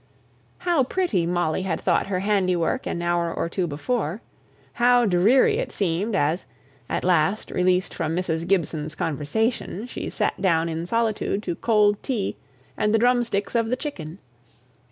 How pretty Molly had thought her handiwork an hour or two before! How dreary it seemed as, at last released from Mrs. Gibson's conversation, she sate down in solitude to cold tea and the drumsticks of the chicken!